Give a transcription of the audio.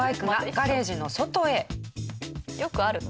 よくあるの？